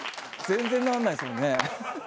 全然なんないっすもんね。